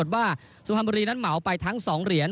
ว่าสุพรรณบุรีนั้นเหมาไปทั้ง๒เหรียญ